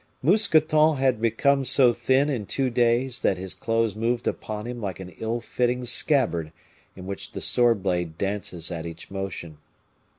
Mousqueton had become so thin in two days that his clothes moved upon him like an ill fitting scabbard in which the sword blade dances at each motion.